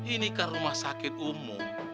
ini ke rumah sakit umum